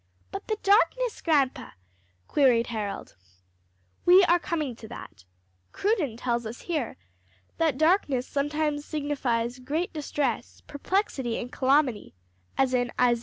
"But the darkness, grandpa?" queried Harold. "We are coming to that. Cruden tells us here that darkness sometimes signifies great distress, perplexity and calamity; as in Isa.